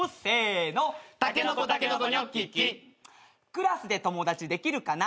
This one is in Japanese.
クラスで友達できるかな？